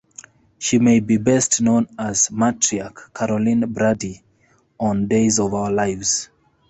She may be best known as matriarch Caroline Brady on "Days of Our Lives".